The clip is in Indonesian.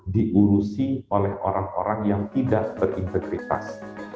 diurusi oleh orang orang yang tidak berintegritas